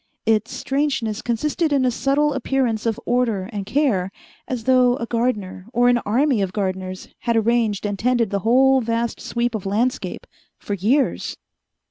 Its strangeness consisted in a subtle appearance of order and care, as though a gardener or an army of gardeners had arranged and tended the whole vast sweep of landscape for years.